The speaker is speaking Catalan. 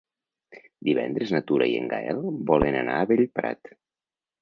Divendres na Tura i en Gaël volen anar a Bellprat.